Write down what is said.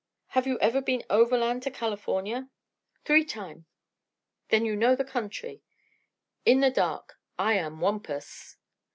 "Have you ever been overland to California?" "Three time." "Then you know the country?" "In the dark. I am Wampus."